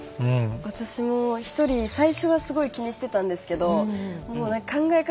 私も１人最初はすごい気にしてたんですけど考え方